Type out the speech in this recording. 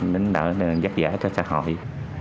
đánh đỡ giác giải cho xã hội